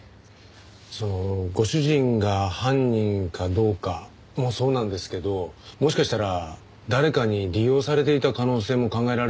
ご主人が犯人かどうかもそうなんですけどもしかしたら誰かに利用されていた可能性も考えられるんですよ。